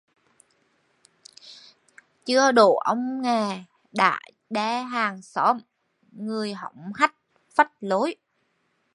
Chưa đỗ ông nghè đã đe hàng xóm: người hống hách, phách lối